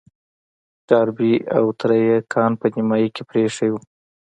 ډاربي او تره يې کان په نيمايي کې پرېيښی و.